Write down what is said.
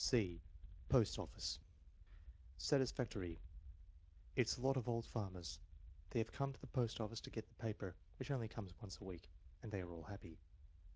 (c) Post Office Satisfactory. "It's a lot of old farmers. They have come to the post office to get the paper, which only comes once a week, and they are all happy."